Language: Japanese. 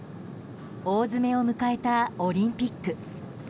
大詰めを迎えたオリンピック。